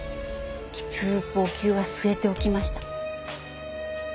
きつーくお灸は据えておきました。